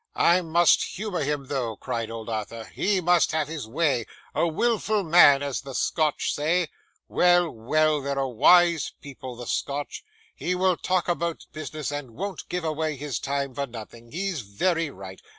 'I must humour him though,' cried old Arthur; 'he must have his way a wilful man, as the Scotch say well, well, they're a wise people, the Scotch. He will talk about business, and won't give away his time for nothing. He's very right.